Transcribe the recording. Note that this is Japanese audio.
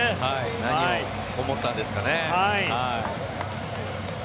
何を思ったんですかね。